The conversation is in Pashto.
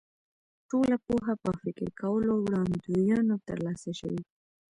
ټوله پوهه په فکر کولو او وړاندوینو تر لاسه شوې.